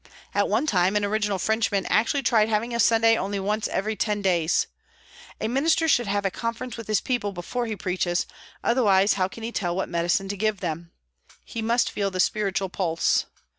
At one time an original Frenchman actually tried having a Sunday only once every ten days. A minister should have a conference with his people before he preaches, otherwise how can he tell what medicine to give them? He must feel the spiritual pulse.